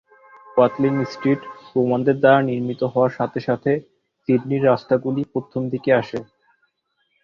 Watling Street রোমানদের দ্বারা নির্মিত হওয়ার সাথে সাথে সিডনির রাস্তাগুলি প্রথম দিকে আসে।